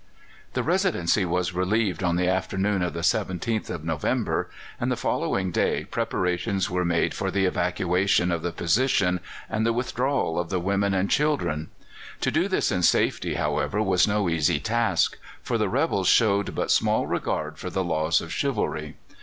The Residency was relieved on the afternoon of the 17th of November, and the following day preparations were made for the evacuation of the position and the withdrawal of the women and children. To do this in safety, however, was no easy task, for the rebels showed but small regard for the laws of chivalry.